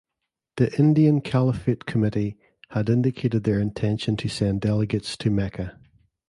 The Indian Caliphate Committee had indicated their intention to send delegates to Mecca.